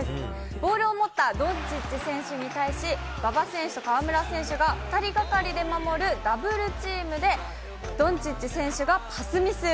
ボールを持ったドンチッチ選手に対し、馬場選手と河村選手が２人がかりで守るダブルチームで、ドンチッチ選手がパスミス。